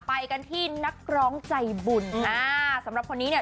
ไปกันที่นักร้องใจบุญอ่าสำหรับคนนี้เนี่ย